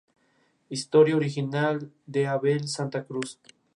La Academia de Ciencias de Hungría lo hizo su miembro honorario.